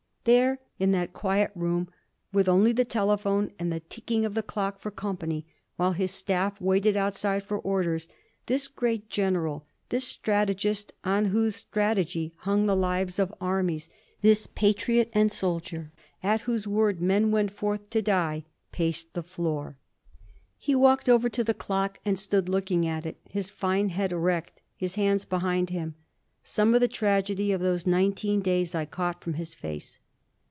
There in that quiet room, with only the telephone and the ticking of the clock for company, while his staff waited outside for orders, this great general, this strategist on whose strategy hung the lives of armies, this patriot and soldier at whose word men went forth to die, paced the floor. He walked over to the clock and stood looking at it, his fine head erect, his hands behind him. Some of the tragedy of those nineteen days I caught from his face.